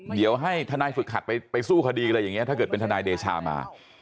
เดี๋ยวให้ทนายฝึกหัดไปสู้คดีอะไรอย่างนี้ถ้าเกิดเป็นทนายเดชามา